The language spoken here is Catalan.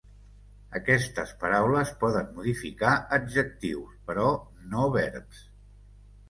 Aquestes paraules poden modificar adjectius, però no verbs.